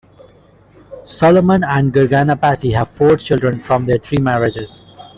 Solomon and Gergana Passy have four children from their three marriages.